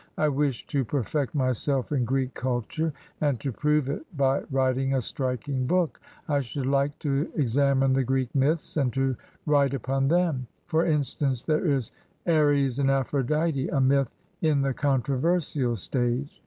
" I wish to perfect myself in Greek culture, and to prove it by writing a striking book. I should Hke to examine the Greek m)^hs and to write upon them. For instance, there is *Ares and Aphrodite,* a myth in the controversial stage.